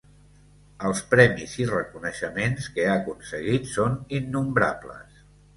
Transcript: Els premis i reconeixements que ha aconseguit són innombrables.